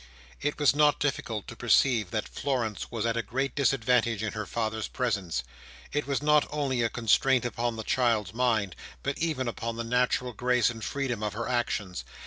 It was not difficult to perceive that Florence was at a great disadvantage in her father's presence. It was not only a constraint upon the child's mind, but even upon the natural grace and freedom of her actions.